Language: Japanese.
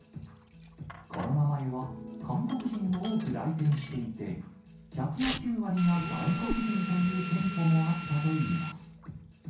コロナ前は韓国人も多く来店していて、客の９割が外国人という店舗もあったといいます。